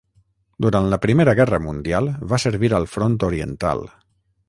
Durant la Primera Guerra Mundial va servir al Front Oriental.